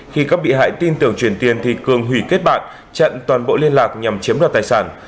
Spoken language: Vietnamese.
khi các bị hại tin tưởng chuyển tiền thì cường hủy kết bạn chặn toàn bộ liên lạc nhằm chiếm đoạt tài sản